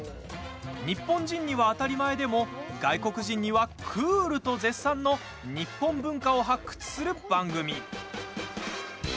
日本人には当たり前でも外国人には、クール！と絶賛の日本文化を発掘する番組。